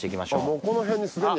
もうこの辺に既に。